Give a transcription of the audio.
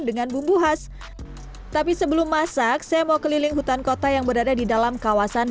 dengan bumbu khas tapi sebelum masak saya mau keliling hutan kota yang berada di dalam kawasan